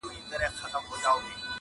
وطن له سره جوړوي بیرته جشنونه راځي-